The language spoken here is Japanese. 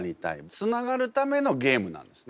つながるためのゲームなんですね。